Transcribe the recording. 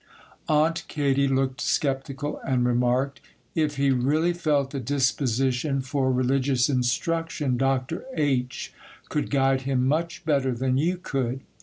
Aunt Katy looked sceptical, and remarked,—'If he really felt a disposition for religious instruction, Dr. H. could guide him much better than you could.